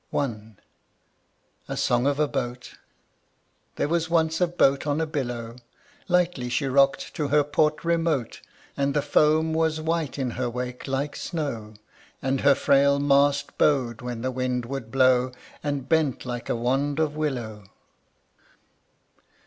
I. A song of a boat: There was once a boat on a billow: Lightly she rocked to her port remote, And the foam was white in her wake like snow, And her frail mast bowed when the breeze would blow And bent like a wand of willow.